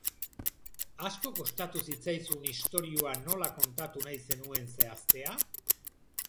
Asko kostatu zitzaizun istorioa nola kontatu nahi zenuen zehaztea?